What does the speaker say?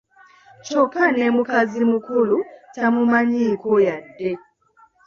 Kyokka n'emukazi mukulu tamumanyiiko yadde.